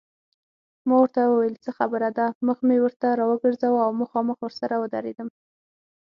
ما ورته وویل څه خبره ده، مخ مې ورته راوګرځاوه او مخامخ ورسره ودرېدم.